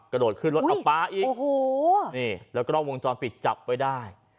กระโดดขึ้นรถเอาปลาอีกโอ้โหนี่แล้วก็วงจรปิดจับไว้ได้